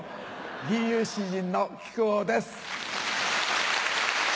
吟遊詩人の木久扇です。